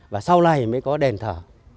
và sau này mới có đền thờ